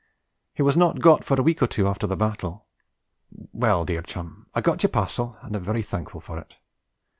He was not got for a week or two after the battle. Well, dear chum, I got your parcel and am very thankful for it.